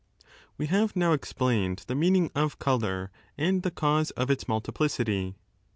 We have now explained the meaning of colour and the cause of its multiplicity.